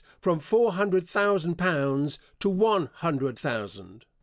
from four hundred thousand pounds to one hundred thousand.